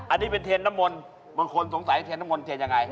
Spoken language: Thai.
อันนี้เป็นเทียนนมลบางคนสงสัยเทียนนมลเทียนยังไง